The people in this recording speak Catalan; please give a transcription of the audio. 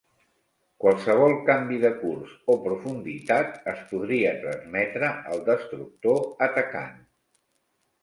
Qualsevol canvi de curs o profunditat es podria transmetre al destructor atacant.